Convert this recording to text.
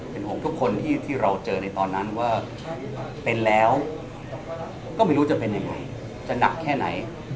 เป็นห่วงทุกคนที่เราเจอในตอนนั้นว่าเป็นแล้วก็ไม่รู้จะเป็นยังไงจะหนักแค่ไหน